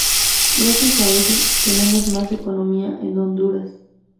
Gracias a ello, tenemos más economía en Honduras.